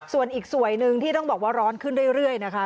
ส่วนอีกสวยหนึ่งที่ต้องบอกว่าร้อนขึ้นเรื่อยนะคะ